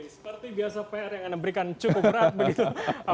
seperti biasa pr yang anda berikan cukup berat begitu